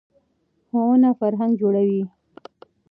ښوونه فرهنګ جوړوي.